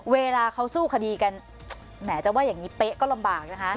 เวลาเขาสู้คดีกันแหมจะว่าอย่างนี้เป๊ะก็ลำบากนะคะ